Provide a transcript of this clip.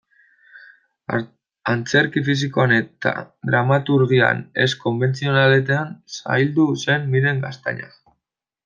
Antzerki fisikoan eta dramaturgia ez-konbentzionaletan zaildu zen Miren Gaztañaga.